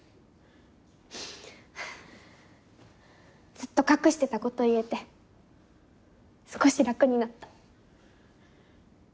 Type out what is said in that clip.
ずっと隠してたこと言えて少し楽になった。